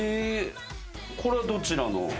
これは、どちらの？